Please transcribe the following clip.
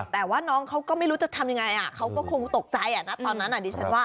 แต่ว่าน้องเขาก็ไม่รู้จะทำยังไงเขาก็คงตกใจนะตอนนั้นดิฉันว่า